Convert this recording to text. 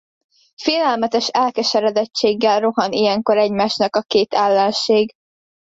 Félelmetes elkeseredettséggel rohan ilyenkor egymásnak a két ellenség.